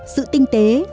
sự tinh tế